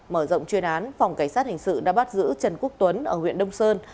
mở rộng chuyên án phòng cảnh sát hình sự đã bắt giữ trần quốc tuấn ở huyện đông sơn